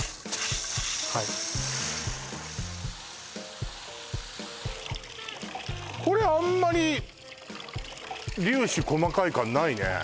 はいこれあんまり粒子細かい感ないねえ